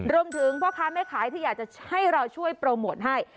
พ่อค้าแม่ขายที่อยากจะให้เราช่วยโปรโมทให้